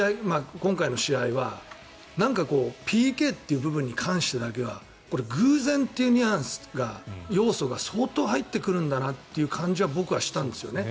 今回の試合はＰＫという部分に関してだけはこれ、偶然というニュアンスが要素が相当入ってくるんだなという感じは僕はしたんですね。